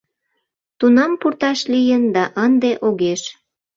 — Тунам пурташ лийын да ынде огеш.